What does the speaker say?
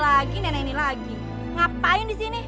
lagi nenek ini lagi ngapain disini